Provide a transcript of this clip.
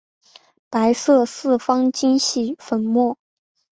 白色四方晶系粉末。